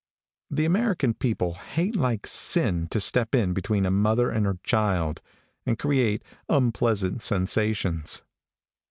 The American people hate like sin to step in between a mother and her child, and create unpleasant sensations.